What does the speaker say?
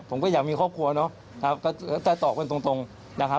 ผมก็อยากมีครอบครัวเนาะ